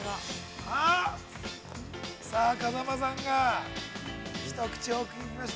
さあ、風間さんが、一口。